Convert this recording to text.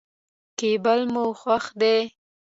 کېبل مو خوښ دی.